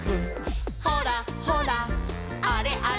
「ほらほらあれあれ」